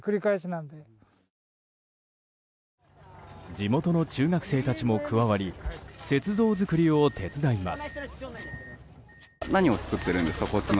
地元の中学生たちも加わり雪像作りを手伝います。